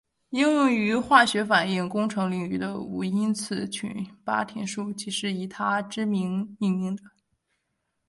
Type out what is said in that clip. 应用于化学反应工程领域的无因次群八田数即是以他之名命名的。